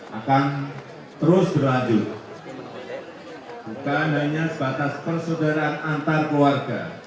akan terus berlanjut bukan hanya sebatas persaudaraan antar keluarga